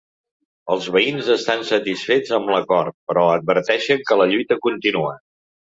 Els veïns estan satisfets amb l’acord, però adverteixen que la lluita continua.